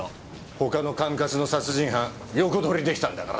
他の管轄の殺人犯横取り出来たんだからな！